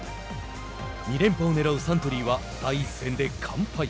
２連覇をねらうサントリーは第１戦で完敗。